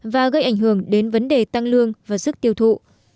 và gây ảnh hưởng đến vấn đề tăng lương và sức tiêu thụ